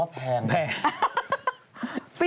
เค้าไม่จ้างอะไรว่ะคะ